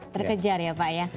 terkejar ya pak ya